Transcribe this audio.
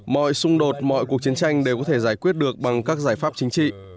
mọi xung đột mọi cuộc chiến tranh đều có thể giải quyết được bằng các giải pháp chính trị